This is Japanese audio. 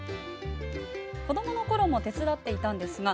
子どものころも手伝っていましたが